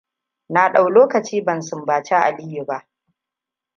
Na dau lokaci ban sumbaci Aliyu ba.